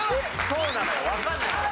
そうなのよわかんないんだよ。